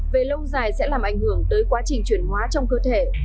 về lâu dài sẽ làm ảnh hưởng tới quá trình chuyển hóa trong cơ thể